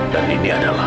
dan ini adalah